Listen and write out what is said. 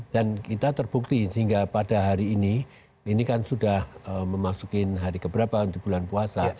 dan kita terbukti sehingga pada hari ini ini kan sudah memasukin hari keberapa untuk bulan puasa